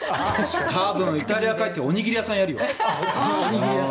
多分イタリア帰っておにぎり屋さんやるよ。